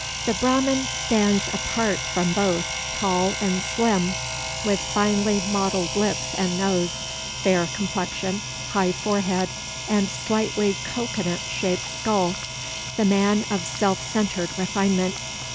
The Brahman stands apart from both, tall and slim, with finely modelled lips and nose, fair complexion, high forehead, and slightly cocoanut shaped skull the man of self centred refinement.